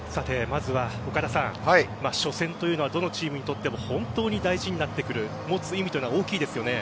まずは岡田さん初戦というのはどのチームにとっても本当に大事になってくる持つ意味は大きいですよね。